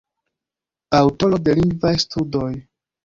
Aŭtoro de lingvaj studoj.